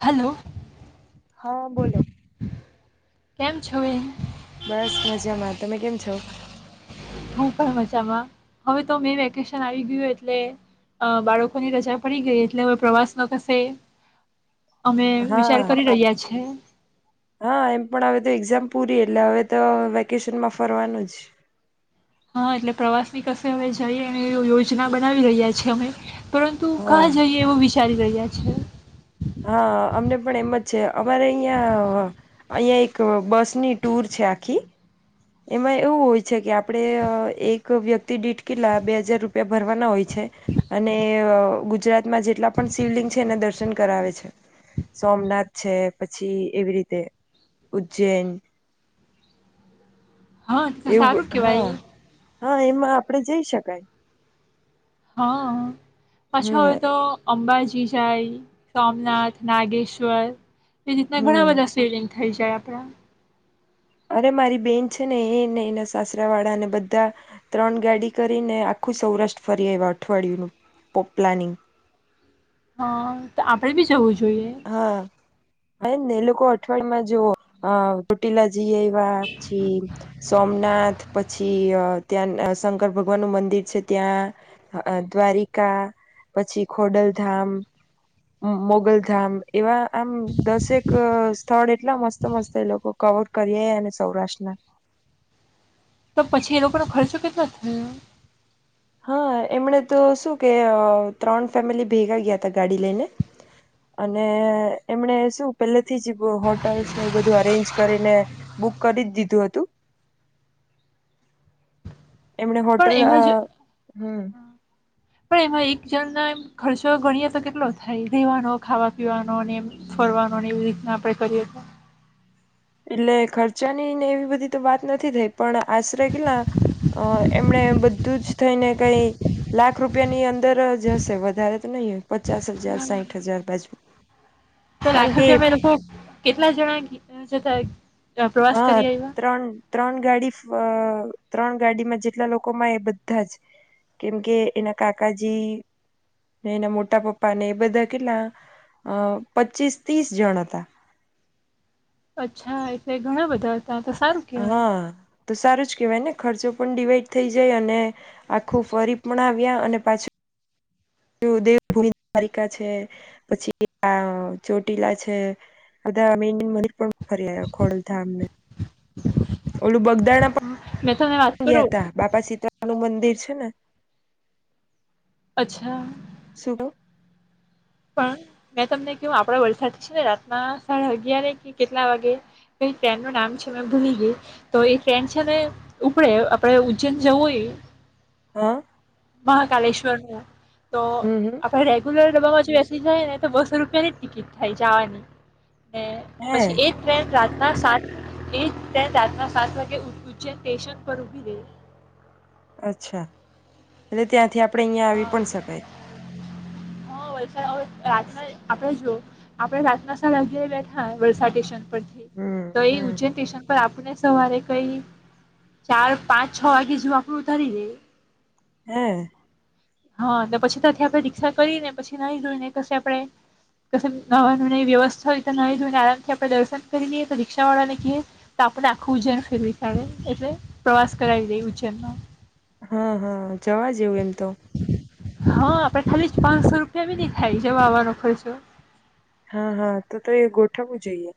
Hello. હા બોલો. કેમ છો બેન? બસ મજામાં તમે કેમ છો? હું પણ મજામાં, હવે તો મે વેકેશન આવી ગયું એટલે બાળકોની રજા પડી ગઈ એટલે હવે પ્રવાસ ન કરસે અમે વિચાર હા કરી રહ્યા છે. હા એમ પણ હવે તો એક્ઝામ પૂરી એટલે હવે તો વેકેશનમાં ફરવાનું જ. હા એટલે પ્રવાસ ની કસે હવે જઈ એ એ યોજના બનાવી રહ્યા છે અમે. પરંતુ હા કાં જઈએ એવું વિચારી ગ્યા છે. હા અમને પણ એમ જ છે અમારે અહં અહીં એક બસની ટુર છે આખી. એમાં એવું હોય છે કે આપડે એક વ્યક્તિ દીઠ કિલ્લા બે હજાર રૂપિયા ભરવાના હોય છે, અને ગુજરાતમાં જેટલા પણ શિવલિંગ છે એના દર્શન કરાવે છે, સોમનાથ છે પછી એવી રીતે, ઉજ્જૈન. હા એવું સારું હા કેવાય. હા એમાં આપડે જઈ શકાય. હા. પાછો હમ હોય તો અંબાજી ઈસાઈ, સોમનાથ, નાગેશ્વર તે રીતના ઘણા હમ બધા સેડિંગ થઈ જાય આપડા અરે મારી બેન છે ને એને એના સાસરા વાળાને બધા ત્રણ ગાડી કરીને આખું સૌરાષ્ટ્ર ફરી આવ્યા અઠવાડિયુંનું પ્લાનિંગ. હા, તો આપડે ભી જવું જો ઈએ. એ જ ને એ લોકો અઠવાડિયા માં જોવો ઓટિલા જઈ આવ્યા પછી સોમનાથ પછી ત્યાં શંકર ભગવાન નું મંદિર છે ત્યાં દ્વારિકા પછી ખોડલધામ, મોગલ ધામ એવા આમ દસ એક સ્થળ એટલા મસ્ત મસ્ત એ લોકો કવર કરી આવ્યાને સૌરાષ્ટ્રના. તો પછી એ લોકોનો ખર્ચો કેટલો થયો? હા, એમણે તો શું કે ત્રણ ફેમિલી ભેગા ગયા હતા ગાડી લઈને અને એમણે શું પેલેથી જ હોટલ્સને એવું બધું અરેન્જ કરીને બુક કરી જ દીધું હતું. એમણે પણ હોટલ અ. એમાં જ હમ્મ. પણ એમાં એક જણ એમ ખર્ચો ગણીએ તો કેટલો થાય? રહેેવાનો, ખાવા-પીવાનો ને એમ ફરવાનો એવી રીતના આપણે કરી તો? એટલે ખર્ચાની ને એવી બધી તો વાત નથી થઈ પણ આશરે કેટલા અ એમણે બધું જ થઈને કઈ લાખ રૂપિયાની અંદર જ હશે વધારે તો નહીં હોય. પચાસ હજાર સાહીઠ હજાર બાજુ તો કારણ લાખ કે રૂપિયામાં એ લોકો કેટલા જણા ગ યા છતા હા ત્રણ ત્રણ ગાડી ત્રણ ગાડીમાં જેટલા લોકોમાં એ બધા જ, કેમ કે એના કાકાજી ને એના મોટા પપ્પા ને એ બધા કેટલા અ પચીસ ત્રીસ જણ હતા. અચ્છા એટલે ઘણા બધા. ત્યાં તો સારું કહેવાય. હા તો સારું જ કહેવાય ને ખર્ચો પણ ડડીવાઈડ થઈ જાય અને આખું ફરી પણ આવે. આવ્યા અને પાછું દેવભૂમિ દ્વારિકા છે, પછી આ ચોટીલા છે, બધા મેન મંદિર પણ ફરી ખોડલધામને. ઓલું બગદાણા મેં તમને વાત પણ ગયા કરું હતા બાપા સીતાનું મંદીર. દ છે ને. અચ્છા. શુંડ. [unintelligible] પણ મેં તમને કહ આપડ વલસાડ છે ને રાતમાં સાડા અગિયાર કે કેટલા વાગે ટ્રેન નું નામ છે મે ભૂલી ગઈ, તો એ ટ્રેન છે ને ઉપડે આપણે ઉજ્જૈન જવું હોય. હા. મહાકાલેશ્વર હો. તો હમ હમ આપણે રેગ્યુલર બેસી જાય ને તો બસો રૂપિયા ની ટિકિટ થાય જવાની. ને હે પછી એ ટ્રેન રાત રાતના સાત એ તેમ રાતના સાત વાગે ઉ ઉચ્ચે સ્ટેશન પર ઊભી રહેે. અચ્છા, એટલે ત્યાંથી આપ આપડે અહિયા હા આવી પણ શકાય. હા વલસાડ હવે રાતના આપણે જો આપણે રાતના સેને [unintelligible] બેઠા વલસાડ સ્ટેશન હમ [unintelligible] તો એ હમ ઉજ્જૈન સ્ટેશન પર આપ આપને સવારે કઈ ચાર, પાંચ, છ વાગે જો આપડું ઉતારી દે. હમ્મ. હા ને પછી ત્યાંથી આપણે રીક્ષા કરીને પછી નાહી ધોઈ ને કશે આપણે કશે નહાવા નું નવે વ્યવસ્થા હોય તો નાહી ધોઈને આરામથી આપણે દર્શન કરી લઈએ તો રિક્ષા વાળા ને કયે તો આપણે આખું ઉજ્જૈન ફેરવી પાડે, એટલે પ્રવાસ કરાવી દેય ઉજ્જૈનમાં. હા, હા જવા જેવું એમ તો. હા, આપડે ખાલી પાંચસો રૂપિયા બી નહી થાય જવા આવવાનો ખર્ચો. હા, હા તો-તો એ ગોઠવવું જઈએ.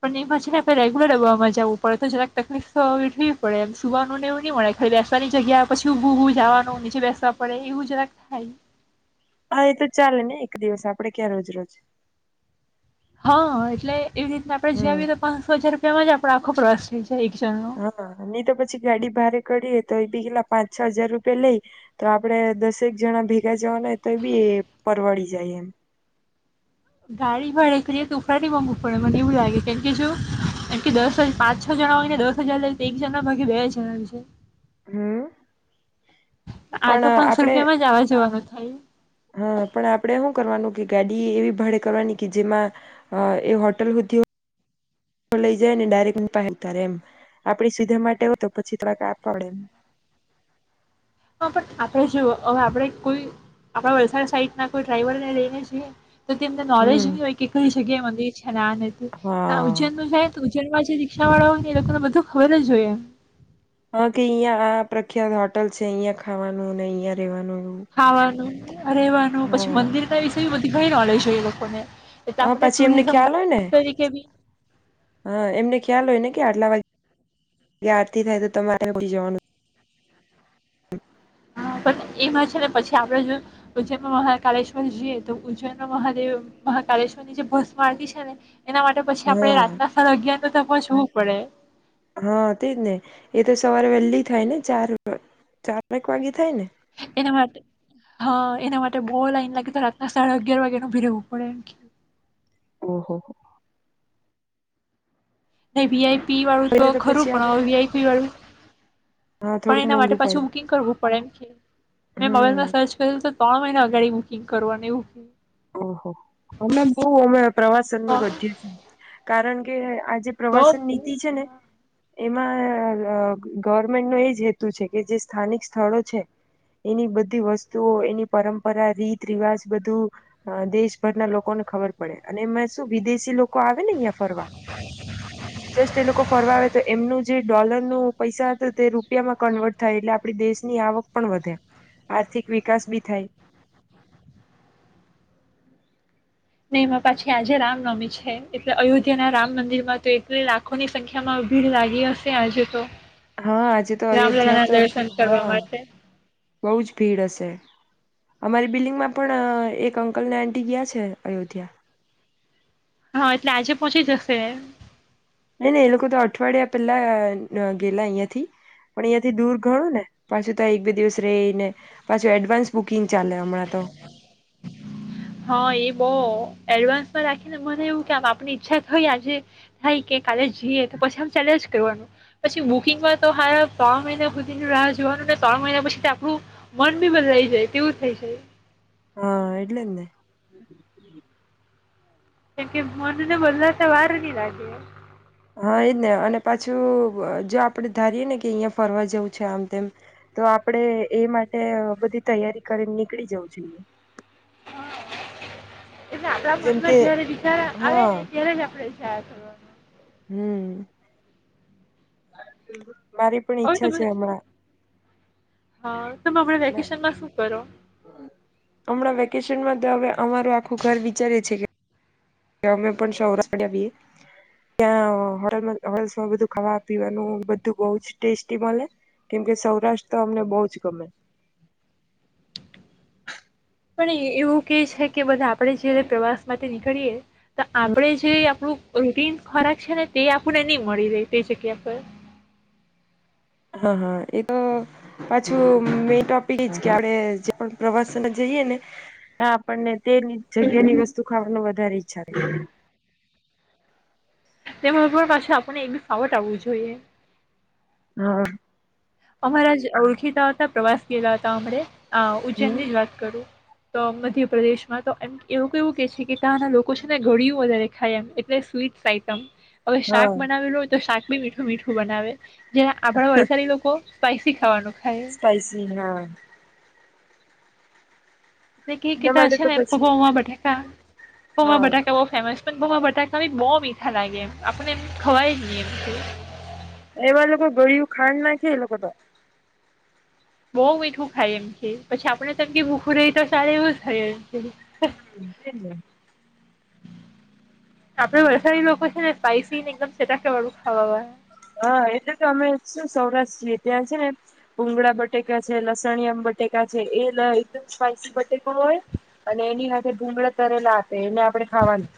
પણ એમાં છે ને આપણે રેગ્યુલર ડબામાં જવું પડે, તો જરાક તકલીફ તો આવી થવી પડે એમ, સુવાનું ને એવું ને મળે, ખાલી બેસવાની જગ્યા પછી ઊભું-ઊભું જવાનું નીચે બેસવા પડે એવું જરાક થાય. હા એ તો ચાલે ને એક દિવસ આપડે ક્યાં રોજરોજ. હા એટલે એવી રીતના આપણે જ્યા આવી રીતના પાંસો હજાર એમાંજ આપડો આખો પ્રવાસ થઈ જાય એક જણનો હા, નહીં તો પછી ગાડી ભાડે કરીએ તો એ બી કેટલા પાંચ છ હજાર રૂપિયા લઈ, તો આપડે દસેક જણા ભેગા જવાના હોય તો એ બી પરવળી જાય એમ. ગાડી [unintelligible] મોંઘુ પડે મને એવું લાગે કેમ કે જો એમ કે દસ હજ પાંચ છ જણા હોય ને દસ હજાર લઈ તો એક જણાના ભાગે બે હજાર આવી જાય. હમ આ પણ તો પાંસો આપડે રૂપિયામાં જ આવા જવાનું થ [inaudible] હા પણ આપડે હું કરવાનું કે ગાડી એવી ભાડે કરવાની કે જેમાં અહ હોટલ હુધી હોય લઈ જાયને ડાયરેક્ટ એની પાહે જ ઉતારે એમ, આપડી સુવિધા માટે હો તો પછી થોડા કાપ પડે એમ. હા, પણ આપણેે જો હવે આપણેે કોઈ આપણા વલસાડ સાઈડ ના કોઈ ડ્રાઈવરને લઈને જઈએ તો તેમને નોલેજ હમ નહી હોય કે કઈ જગ્યાએ મંદિર [unintelligible] હા ઉજન નું હે તું જેમાં જે રિક્ષાવાળા હોય ને એ લોકોને બધું ખબર જ હોય એમ. હા, કે અહિયાં આ પ્રખ્યાત હોટલ છે. અહિયાં ખાવાનું ને અહીંયા રેવાનું. એવું ખાવાનું રહેવાનું પછી હા મંદિર કય વિશેય બધી ઘણી નોલેજ હોય એ લોકોને. એટલે હા, આપણે પછી એમને ટુરિઝમ ગાઈડ ખ્યાલ હોય ને. તરીકે બી હા, એમને ખ્યાલ હોય ને કે આટલા વાગેગ આારથી થાય તો તમારે [unintelligible] જવાનું. હા, પણ એમાં છે ને પછી આપડે જો ઉજ્જૈનમાં મહાકાલેશ્વર જઈએ તો ઉજ્જૈનમાં મહાદેવ મહાકાલેશ્વર ની જે ભસ્મા આરતી છે ને એના માટે પછી આપડે રાતના હા સાડા અગિયાર તો સમજવું પડે. હા, તેજ ને એ તો સવારે વહેલી થાય ને ચાર એક ચાર એક વાગે થાય ને? એના માટે હા એના માટે બહુ લાઈન લાગી તો રાતના સાડા અગિયાર વાગેનું ઉભી રહેવું પડે એમ. ઓહ હો. ને વીઆઈ પી વાળું તો એ ખરું પછી પણ આપડે હવે વીઆઈપી વાળું હા પણ થોડુંક એના માટે મોંઘું પડે પાછું બુકિંગ કરવું પડે એમકે મેં મોબાઈલમાં હમ સર્ચ કર્યું તો ત્રણ મહિના અગાડી બુકિંગ કરવાન એવું ઓહો અમે બહુ અમણે પ્રવાસનનું વધયું કારણ કે. આ જેે બહુ પ્રવાસન નીતિ છે ને. એમાં ગવર્મેન્ટ નો એજ હેતુ છે કે જે સ્થાનિક સ્થળો છે એની બધી વસ્તુઓ એની પરંપરા રીત રિવાજ બધું. અ દેશભરના લોકોને ખબર પડે અને એ શું વિદેશી લોકો. આવેને અહીંયા ફરવા જસ્ટ એ લોકો ફરવા આવે તો એમનું જે ડોલર. પૈસા હતા તે રૂપિયામાં કન્વર્ટ થાય એટલે આપણી દેશની આવક પણ વધે આર્થિક વિકાસ બી થાય. અને એમાં પાછી આજે રામનવમી છે. છે એટલે અયોધ્યા ના રામ મંદિરમાં તો એટલી લાખોની સંખ્યામાં ભીડ લાગી હશે આજે તો. હા આજે તો રામલલાના અયોધ્યા તો દર્શન કરવા હા માટે બહુ જ ભીડ હશે. અમારી બિલ્ડિંગમાં પણ એક અંકલને આટી ગયા છે અયોધ્યા. હા એટલે આજે પહોંચી જશે એ નહી નહી એ લોકો તો અઠવાડિયા પહેલા ગયેલા અહિયાં થી પણ અહિયાયા થી દૂર ઘણું ને પાછું તો એક બે દિવસ રહી ને પાછું એડવાન્સ. બુકિંગ ચાલે હમણાં તો. હા એ બહુ એડવાન્સમાં રાખીને મને એવું કેમ આપની ઈચ્છા થઈ આજે થાય કે કાલે જઈએ તો પછી આ ચાલેજ કરવાનું પછી બુકિંગમાં તો હાળા ત્રણ મહિના સુધી રાહ જોવાનું ત્રણ મહિના પછી આપણું મન બી બદલાઈ જાય તેવું થઈ જાય. હા એટલે જ ને. કેમ કે મનને બદલાવતા વાર નહી લાગે એ. હા એજ ને અને પાછું જો આપડે ધારીએે ને કે અહિયાં ફરવા જવું છે આમ તેમ તો આપણે એ માટે બધી તૈયારી કરીને નીકળી જવું જોઈએ. એટલે આપડા જેમ મનમાં કે જયારે વીચાર આવે ને ત્યારે જ આપડે [unintelligible] કરવાનો હમમ મારી પણ હવે ઈચ્છા તમે છે હમણાં હા તમે અમને વેકેશનમાં શું કરો? ટ્યુશન માં તો હવે અમારું આખું ઘર વિચારે છે કે અમે પણ સૌરાષ્ટ્ર આવીએ ત્યાં હો હોસ માં બધું ખાવા પીવાનું બધું બો જ ટેસ્ટી મળે કેમકે સૌરાષ્ટ્ર તો અમને બો જ ગમે. પણ એવું કે છે કે બધા આપણે જયારે પ્રવાસ માટે નીકળીએ તો આપણે જે આપણું રૂટીન ખોરાક છે ને તે આપૂણને ની મળી રહે તે જગ્યા પર હા હા એ તો પાછું મે ટોપિક એજ કે આપણે જે પ્રવાસને જઈએ ને આપણને તે જગ્યાની વસ્તુ ખાવા વધારે ઈચ્છા તેમાં પણ પાછી આપને એ બી ફાવટ આવવું જોઈએ. હા અમારા જ ઓળખીતા હતા પ્રવાસ ગેલા હતા અમને આ હમ ઉજ્જૈનની જ વાત કરું. તો મધ્યપ્રદેશ માં તો એમ એવું કેવું કે છે કે તાના લોકો કુછને ઘડિયું વધારે ખાય એમ એટલે સ્વીટ્સ આઈટમ હવે હા શાક બનાવેલું હોય તો શાક મીઠું મીઠું બનાવે. જે આપણા વલસાડી લોકો સ્પાઈસી ખાવાનું ખાય સ્પાઈસી હા એટલે કેય કે એના ત્યાં માટે છે તો ને પછી પોવા બટાકા પોવા હા બટાકા બો ફેમસ પૌવા બટાકા ભી બો મીઠા લાગે એમ આપણને એમ ખવાય જ ની એમ એવા લોકો ગળિયું ખાંડ નાખે એ લોકો તો બો મીઠું ખાય એમ કેય પછી આપડ ને એમ કેય ભૂખું રેય તો ચાલે એવું થાય એમ કે હમમ તે જ ને આપડે વલસાડી લોકો છે ને સ્પાઈસી ને એકદમ ચટાંકે વાળું ખાવા વાળા હા એટલે તો અમે શું સૌરાષ્ટ્રએ ત્યાં છે ને ભૂગળા બટેકા છે, લસણિયા બટેકા છે એ એકદમ સ્પાઈસી બ હોય અને એની સાથે ભુંગળા તરેલા આપે એને આપણે ખાવાનું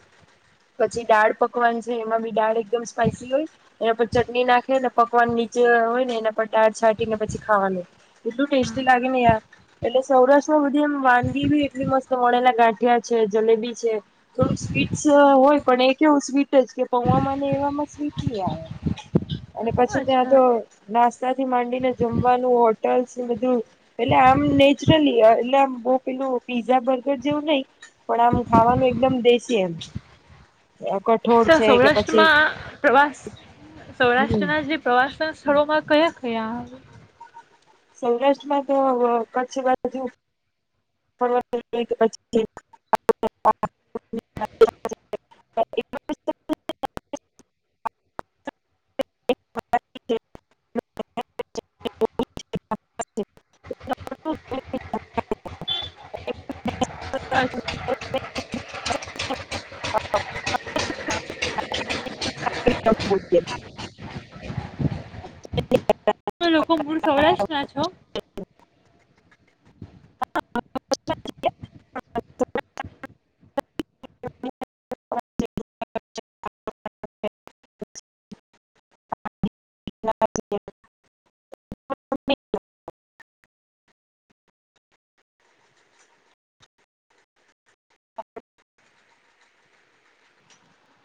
પછી દાળ પકવાન છે એમાં બી દાળ એકદમ સ્પાઈસી હોય અને પછી ચટણી નાખે ને પકવાન નીચે હોય ને એના પટાર છાંટીને પછી ખાવાનું એટલું ટેસ્ટી લાગે ને યાર એટલે સૌરાષ્ટ્રમાં બધી એમ વાનગી બી એટલી મસ્ત મળેલા ગાંઠિયા છે જલેબી છે થોડું સ્વીટસ હોય પણ એ કેવું સ્વીટ જ કે પૌવા ને એવામાં સ્વીટ નહી આવે એમ અને પછી ત્યાં અચ્છા તો નાસ્તા થી માંડીને જમવાનું હોટલ્સ ને બધું એટલે આમ નેચરલી એટલે આમ બો પેલું પીઝા બર્ગર જેવું નય પણ આમ ખાવાનું એકદમ દેશી એમ કઠોળ તો છે કે પછી સૌરાષ્ટ્રમાં પ્રવાસ હમ સૌરાષ્ટ્રના જે પ્રવાસના સ્થળોમાં કયા કયા આવે? સૌરાષ્ટ્રમાં તો અહ કચ્છ બાજુ [inaudible] [inaudible] [inaudible] [inaudible] અચછ તમે લોકો મૂળ સૌરાષ્ટ્રના છો